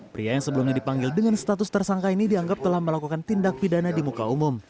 pria yang sebelumnya dipanggil dengan status tersangka ini dianggap telah melakukan tindak pidana di muka umum